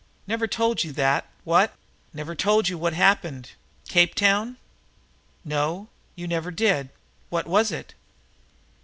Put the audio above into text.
Never told you that, what? Never told you what happened Cape Town?" "No, you never did. What was it?"